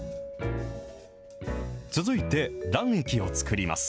続いて卵液を作ります。